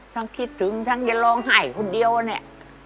คิดถึงทั้งจะร้องไห้คนเดียวเนี่ย